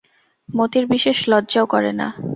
মতির বিশেষ লজ্জাও করে না।